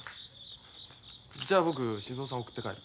じゃあ僕静尾さんを送って帰る。